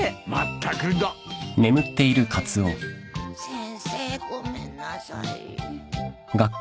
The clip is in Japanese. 先生ごめんなさい。